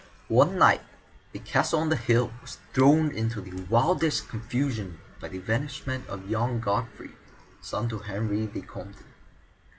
One night the castle on the hill was thrown into the wildest confusion by the vanishment of young Godfrey, son to Henri, the Comte.